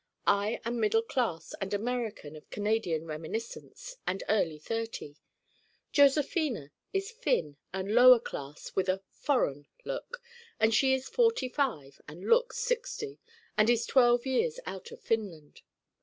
I am middle class and American of Canadian reminiscence, and early thirty. Josephina is Finn and lower class with a 'foreign' look, and she is forty five and looks sixty and is twelve years out of Finland.